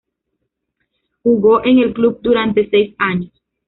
Jugó en el club durante seis años.